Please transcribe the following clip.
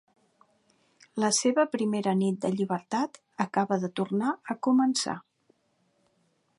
La seva primera nit de llibertat acaba de tornar a començar.